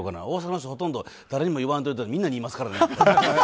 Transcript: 大阪の人、ほとんど誰にも言わんどいてって言ってもみんなに言いますからね。